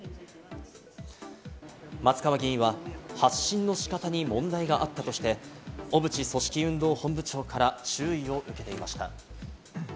松川議員は発信の仕方に問題があったとして、小渕組織運動本部長から注意を受けていました。